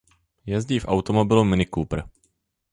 Jezdí v automobilu Mini Cooper.